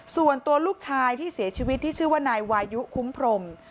ส่วนตัวลูกชายที่เสียชีวิตที่ชื่อว่านายวายุคุ้มพรม